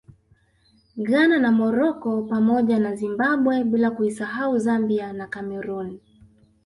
Ghana na Morocco pamoja na Zimbabwe bila kuisahau Zambia na Cameroon